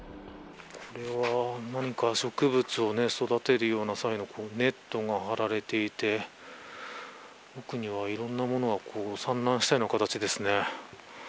これは何か植物を育てるような際のネットが張られていて奥には、いろんな物が散乱したような形ですね。